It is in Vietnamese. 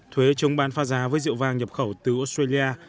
thuế chống bán phá giá với rượu vang nhập khẩu từ australia